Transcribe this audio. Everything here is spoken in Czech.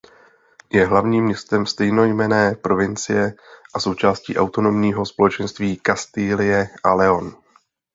Je hlavním městem stejnojmenné provincie a součástí autonomního společenství Kastilie a León.